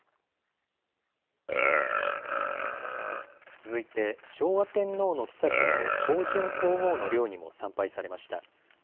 続いて昭和天皇のきさきの皇淳皇后の陵にも参拝されました。